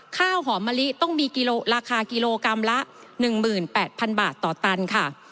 ข้าวหอมมะลิต้องมีราคากิโลกรัมละ๑๘๐๐๐บาทต่อตันค่ะ